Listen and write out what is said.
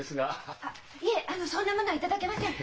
あっいえあのそんなものは頂けません！